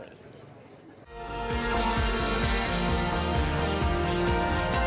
sampah plastik yang diperkenalkan oleh pemerintah indonesia